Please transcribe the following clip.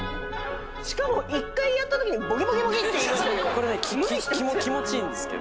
しかも１回やったときボキボキボキッていいましたけど。